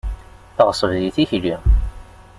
Teɣṣeb di tikli.